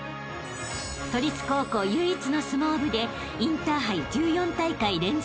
［都立高校唯一の相撲部でインターハイ１４大会連続